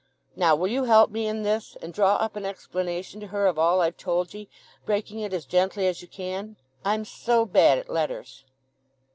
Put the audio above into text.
Now, will you help me in this, and draw up an explanation to her of all I've told ye, breaking it as gently as you can? I'm so bad at letters."